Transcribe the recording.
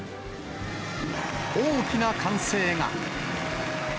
大きな歓声が。